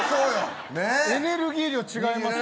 エネルギー量、違いますけど。